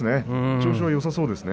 調子がよさそうですね。